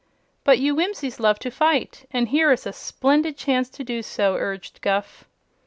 "But you Whimsies love to fight, and here is a splendid chance to do so," urged Guph.